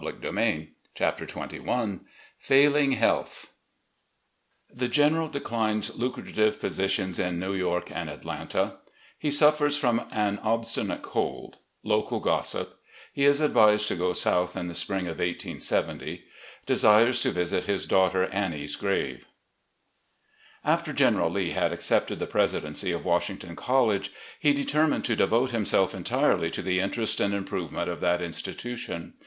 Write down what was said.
Lee, President." CHAPTER XXI Failing Health THE GENERAL DECLINES LUCRATIVE POSITIONS IN NEW YORK. AND ATLANTA — HE SUFFERS FROM AN OBSTINATE COLD — LOCAL GOSSIP — HE IS ADVISED TO GO SOUTH IN THE SPRING OP 1870 — ^DESIRES TO VISIT HIS DAUGHTER ANNIE's GRAVE After General Lee had accepted the presidency of Washington College, he determined to devote himself entirely to the interest and improvement of that institu tion.